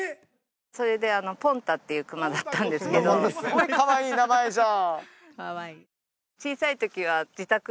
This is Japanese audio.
それでポンタっていう熊だったんですけどすごいかわいい名前じゃん！